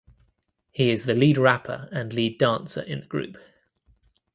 He is the lead rapper and lead dancer in the group.